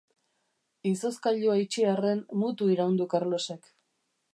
Izozkailua itxi arren mutu iraun du Karlosek.